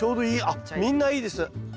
あっみんないいです。